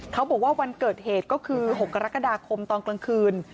เขาบอกว่าวันเกิดเหตุก็คือ๖กรกฎาคมตอนกลางคืน